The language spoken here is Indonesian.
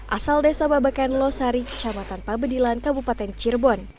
asal desa babakan losari kecamatan pabedilan kabupaten cirebon